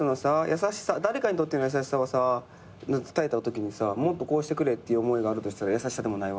誰かにとっての優しさはさ伝えたときにもっとこうしてくれって思いがあるとしたら優しさでもないわけやん？